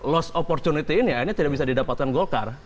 loss opportunity ini akhirnya tidak bisa didapatkan goal card